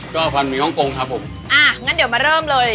ก็ฟันหมี่ฮ่องกงครับผมอ่างั้นเดี๋ยวมาเริ่มเลย